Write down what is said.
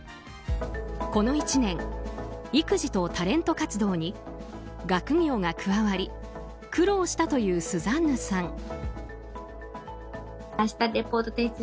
この１年、育児とタレント活動に学業が加わり、苦労したというスザンヌさん。